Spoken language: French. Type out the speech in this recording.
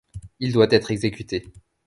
Il doit être exécuté.